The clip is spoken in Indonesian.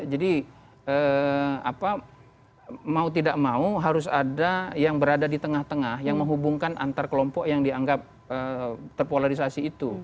jadi mau tidak mau harus ada yang berada di tengah tengah yang menghubungkan antar kelompok yang dianggap terpolarisasi itu